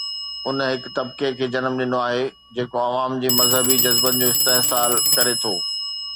ان هڪ طبقي کي جنم ڏنو آهي جيڪو عوام جي مذهبي جذبن جو استحصال ڪري ٿو.